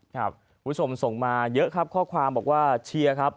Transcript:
คุณผู้ชมส่งมาเยอะครับข้อความบอกว่าเชียร์ครับ